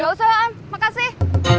gak usah om makasih